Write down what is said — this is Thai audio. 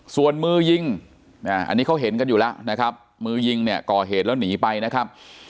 ส่วนมือยิงอันนี้เขาเห็นกันอยู่แล้วนะครับมือยิงเนี่ยก่อเหตุแล้วหนีไปนะครับ